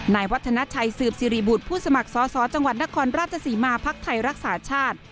นายวัฒนาชัยสืบสิริบุตรผู้สมัครสอสอจังหวัดนครราชศรีมาภักดิ์ไทยรักษาชาติ